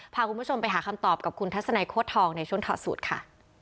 พาคุณผู้ชมไปหาคำตอบกับคุณทัศนัยโค้ดทองในช่วงข่าวสูตรค่ะ